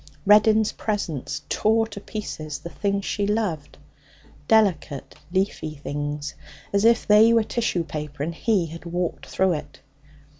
Reddin's presence tore to pieces the things she loved delicate leafy things as if they were tissue paper and he had walked through it.